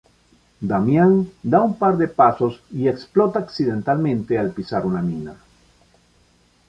Damian da un par de pasos y explota accidentalmente al pisar una mina.